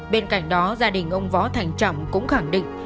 bên cạnh đó gia đình ông võ thành trọng cũng khẳng định